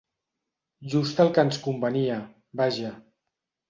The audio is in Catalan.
Just el que ens convenia, vaja.